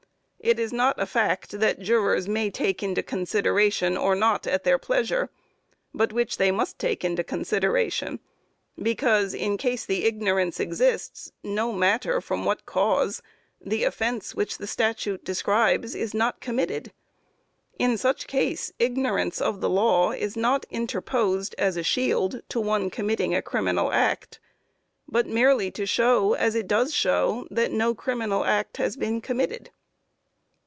It is not a fact which jurors "may take into consideration," or not, at their pleasure, but which they must take into consideration, because, in case the ignorance exists, no matter from what cause, the offence which the statute describes is not committed. In such case, ignorance of the law is not interposed as a shield to one committing a criminal act, but merely to show, as it does show, that no criminal act has been committed.